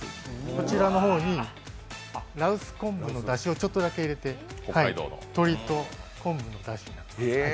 こちらの方に羅臼昆布のだしをちょっとだけ入れて鶏と昆布のだし。